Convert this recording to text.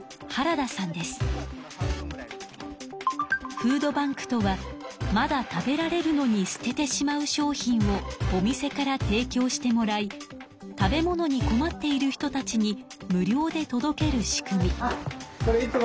フードバンクとはまだ食べられるのに捨ててしまう商品をお店から提きょうしてもらい食べ物に困っている人たちに無料で届ける仕組み。